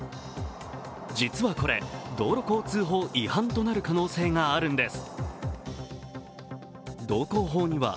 実はこれ、道路交通法違反となる可能性があるんです。